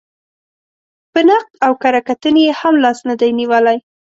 په نقد او کره کتنې یې هم لاس نه دی نېولی.